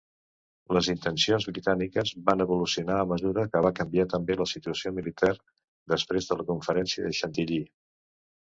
Les intencions britàniques van evolucionar a mesura que va canviar també la situació militar després de la conferència de Chantilly.